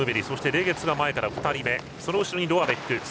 そしてレゲツが前から２人目その後ろにロアベック。